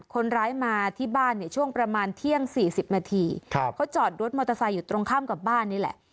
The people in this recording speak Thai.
คนร้ายมาที่บ้านเนี่ยช่วงประมาณเที่ยง๔๐นาทีเขาจอดรถมอเตอร์ไซค์อยู่ตรงข้ามกับบ้านนี่แหละ